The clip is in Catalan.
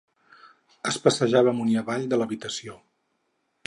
Es passejava amunt i avall de l'habitació.